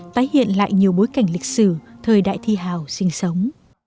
tái hiện lại nhiều bối cảnh lịch sử thời đại thi hào sinh sống